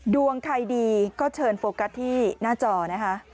ดวงใครดีก็เชิญโฟกัสที่หน้าจอนะคะ